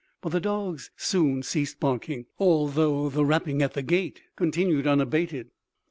But the dogs soon ceased barking, although the rapping at the gate continued unabated.